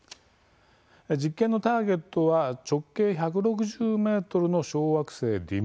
実験のターゲットは直径１６０ｍの小惑星ディモルフォス。